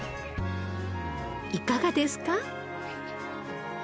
いかがですか？